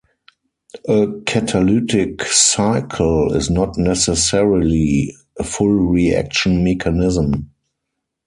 A catalytic cycle is not necessarily a full reaction mechanism.